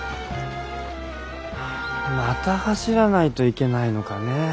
また走らないといけないのかねえ？